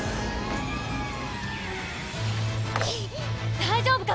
大丈夫か？